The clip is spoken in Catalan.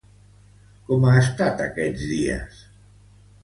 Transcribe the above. Com ha estat aquests dies?